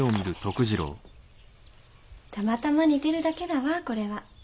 たまたま似てるだけだわこれは。